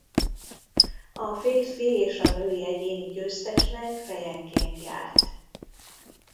A férfi és a női egyéni győztesnek fejenként járt.